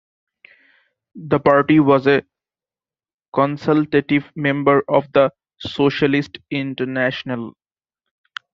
The party was a consultative member of the Socialist International.